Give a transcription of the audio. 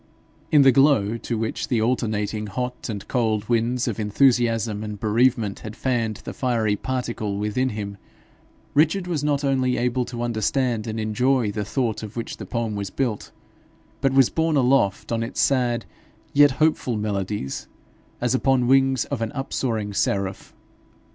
In the glow to which the alternating hot and cold winds of enthusiasm and bereavement had fanned the fiery particle within him, Richard was not only able to understand and enjoy the thought of which the poem was built, but was borne aloft on its sad yet hopeful melodies as upon wings of an upsoaring seraph.